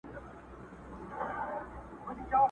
دوو یارانو ته په سرو سترګو ګویا سو٫